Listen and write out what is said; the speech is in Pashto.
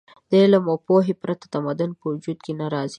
د علم او پوهې پرته تمدن په وجود نه راځي.